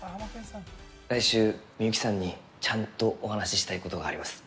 来週、みゆきさんにちゃんとお話したいことがあります。